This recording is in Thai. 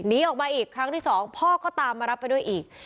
หนีออกมาอีกครั้งที่สองพ่อก็ตามมารับไปด้วยอีก